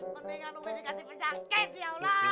mendingan mau dikasih penyakit ya allah